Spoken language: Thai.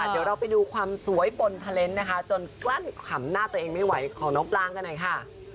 เดี๋ยวเราไปดูความสวยบนทะเลนส์นะคะจนกลั้นขำหน้าตัวเองไม่ไหวของน้องปลางกันหน่อยค่ะ